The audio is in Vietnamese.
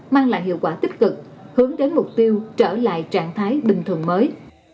mang lại hiệu quả tích cực hướng đến mục tiêu trở lại trạng thái bình thường mới